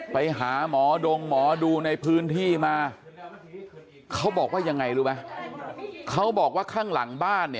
ไปหาหมอดงหมอดูในพื้นที่มา